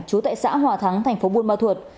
chú tại xã hòa thắng tp bumathuot